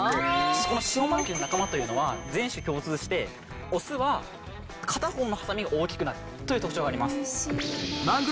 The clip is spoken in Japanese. このシオマネキの仲間というのは全種共通してオスは片方のハサミが大きくなるという特徴があります。